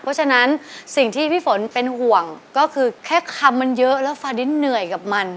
เพราะฉะนั้นสิ่งที่พี่ฝนเป็นห่วงก็คือแค่คำมันเยอะแล้วฟาดินเหนื่อยกับมัน